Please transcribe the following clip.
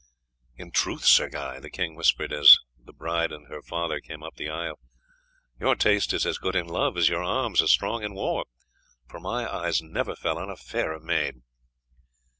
"In truth, Sir Guy," the king whispered as the bride and her father came up the aisle, "your taste is as good in love as your arms are strong in war, for my eyes never fell on a fairer maid."